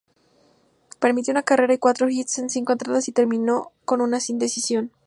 Permitió una carrera y cuatro hits en cinco entradas y terminó con sin decisión.